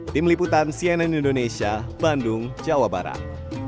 tim liputan cnn indonesia bandung jawa barat